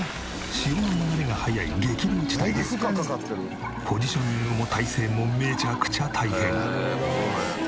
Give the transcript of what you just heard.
潮の流れが速い激流地帯でポジショニングも体勢もめちゃくちゃ大変。